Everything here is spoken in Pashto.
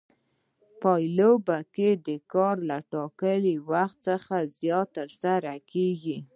په پایله کې کار له ټاکلي وخت څخه زیات ترسره کېږي